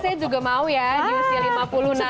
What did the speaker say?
saya juga mau ya di usia lima puluh nanti